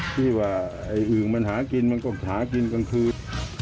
ที่ว่าไอ้อึ่งมันหากินมันก็หากินกลางคืน